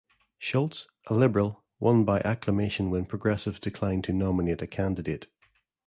Schultz, a Liberal, won by acclamation when the Progressives declined to nominate a candidate.